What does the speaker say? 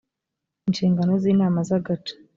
inshingano z’inama z’agace